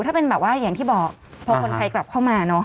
ถ้าเป็นแบบว่าอย่างที่บอกพอคนไทยกลับเข้ามาเนอะ